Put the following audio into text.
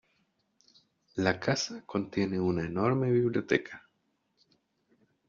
La casa contiene una enorme biblioteca.